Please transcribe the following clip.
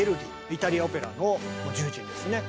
イタリアオペラのもう重鎮ですね。